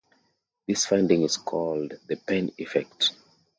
This finding is called the Penn effect.